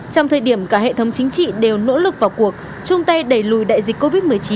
trong thời điểm cả hệ thống chính trị đều nỗ lực vào cuộc chung tay đẩy lùi đại dịch covid một mươi chín